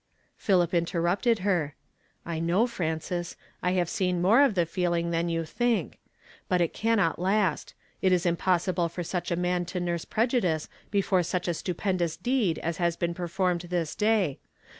Philip interrupted her. "I know, Frances; I have seen more of tlie feeling than you think ; but it cannot last ; it is impossible for such a man to nurse prejudice before such a stupendous deed as lias been performed this day.